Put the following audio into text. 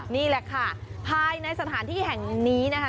นี่แหละค่ะภายในสถานที่แห่งนี้นะคะ